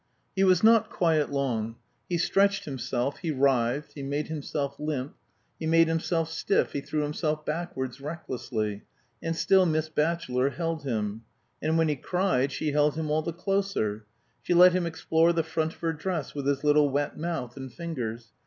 He was not quiet long. He stretched himself, he writhed, he made himself limp, he made himself stiff, he threw himself backwards recklessly; and still Miss Batchelor held him. And when he cried she held him all the closer. She let him explore the front of her dress with his little wet mouth and fingers.